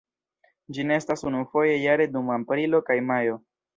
Ĝi nestas unufoje jare dum aprilo kaj majo.